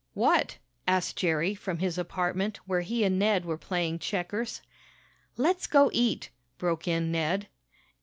"What?" asked Jerry from his apartment where he and Ned were playing checkers. "Let's go eat!" broke in Ned.